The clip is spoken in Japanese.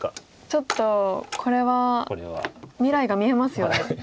ちょっとこれは未来が見えますよね。